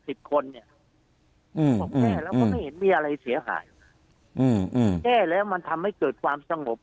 ผมแก้แล้วไม่เห็นมีอะไรเสียหายแก้แล้วมันทำให้เกิดความสงบ